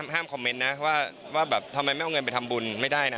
คอมเมนต์นะว่าแบบทำไมไม่เอาเงินไปทำบุญไม่ได้นะ